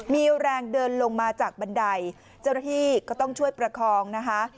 มีแรงเดินลงมาจากบันไดเจ้าหน้าที่ก็ต้องช่วยประคองนะคะ